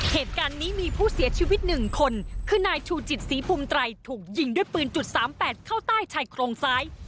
เหตุการณ์นี้มีผู้เสียชีวิต๑คนคือนายชูจิตศรีภูมิไตรถูกยิงด้วยปืนจุดสามแปดเข้าใต้ชายโครงซ้าย